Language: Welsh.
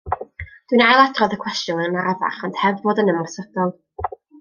Dwi'n ail adrodd y cwestiwn yn arafach ond heb fod yn ymosodol.